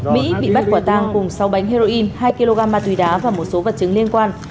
mỹ bị bắt quả tang cùng sáu bánh heroin hai kg ma túy đá và một số vật chứng liên quan